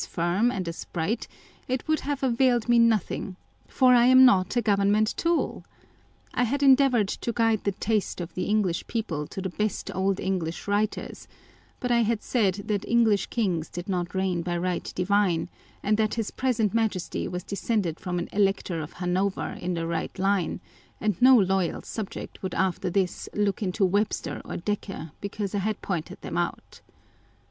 firm and as bright, it would have availed me nothing, for I am not a Government tool ! I had endeavoured to guide the taste of the English people to the best old English writers ; but I had said that English kings did not reign by right divine, and that his present Majesty was descended from an Elector of Hanover in a right line ; and no loyal subject would after this look into Webster or Decker because I had pointed them out.